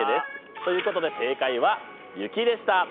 ということで正解は「ゆき」でした。